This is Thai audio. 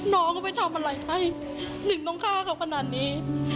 น้องเขาไปทำอะไรให้หนึ่งต้องฆ่าเขาขนาดนี้